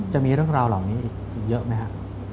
จะมีเรื่องราวเหล่านี้อีกเยอะไหมครับ